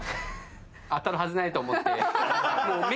当たるはずないと思って。